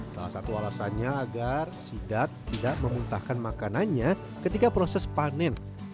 salah satu alasannya agar sidat tidak memuntahkan makanannya ketika proses panen